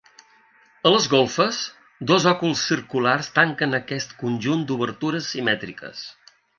A les golfes, dos òculs circulars tanquen aquest conjunt d'obertures simètriques.